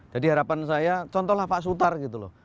jadi harapan saya contohlah pak sutar gitu loh